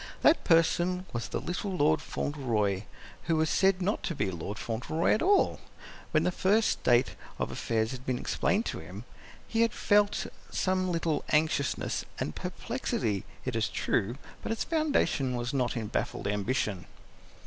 That person was the little Lord Fauntleroy who was said not to be Lord Fauntleroy at all. When first the state of affairs had been explained to him, he had felt some little anxiousness and perplexity, it is true, but its foundation was not in baffled ambition.